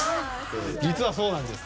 実はそうなんです。